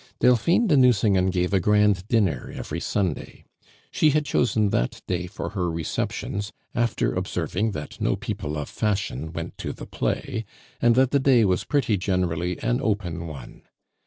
Delphine de Nucingen gave a grand dinner every Sunday. She had chosen that day for her receptions, after observing that no people of fashion went to the play, and that the day was pretty generally an open one.